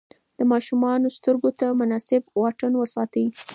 د ماشوم سترګو ته مناسب واټن وساتئ.